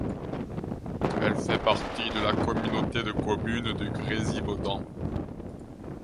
Elle fait partie de la communauté de communes du Grésivaudan.